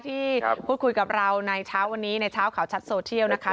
ที่พูดคุยกับเราในเช้าวันนี้ในเช้าข่าวชัดโซเชียลนะคะ